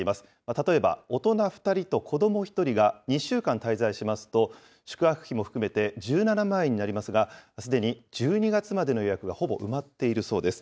例えば、大人２人と子ども１人が２週間滞在しますと、宿泊費も含めて１７万円になりますが、すでに１２月までの予約はほぼ埋まっているそうです。